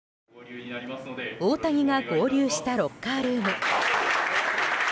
大谷が合流したロッカールーム。